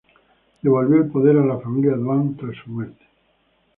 Devolvió el poder a la familia Duan tras su muerte.